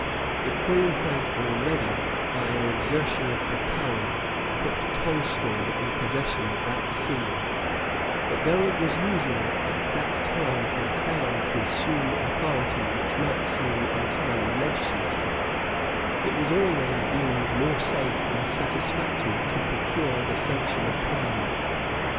[] The queen had already, by an exertion of her power, put Tonstal in possession of that see: but though it was usual at that time for the crown to assume authority which might seem entirely legislative, it was always deemed more safe and satisfactory to procure the sanction of parliament.